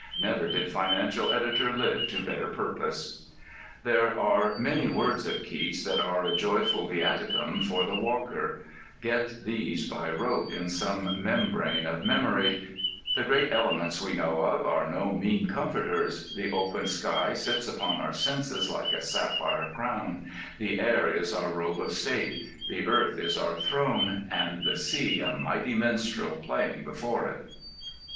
Never did financial editor live to better purpose! There are many words of Keats that are a joyful viaticum for the walker: get these by rote in some membrane of memory: The great Elements we know of are no mean comforters: the open sky sits upon our senses like a sapphire crown—the Air is our robe of state—the Earth is our throne, and the sea a mighty minstrel playing before it.